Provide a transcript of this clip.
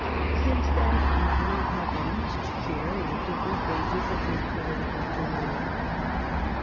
Since then I have not had the least share in the different phases of his political career."